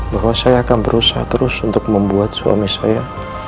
bahwa saya akan berusaha terus untuk membuat suami saya